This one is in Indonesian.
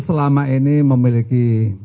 selama ini memiliki